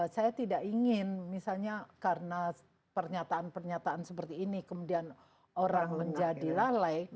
saya tidak ingin misalnya karena pernyataan pernyataan seperti ini kemudian orang menjadi lalai